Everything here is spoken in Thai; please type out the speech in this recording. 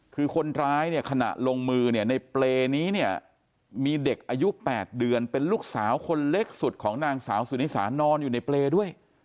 คือคนร้ายเนี่ยขณะลงมือเนี่ยในเปรย์นี้เนี่ยมีเด็กอายุ๘เดือนเป็นลูกสาวคนเล็กสุดของนางสาวสุนิสานอนอยู่ในเปรย์ด้วย